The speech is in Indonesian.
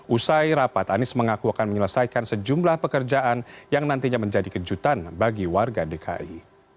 usai rapat anies mengaku akan menyelesaikan sejumlah pekerjaan yang nantinya menjadi kejutan bagi warga dki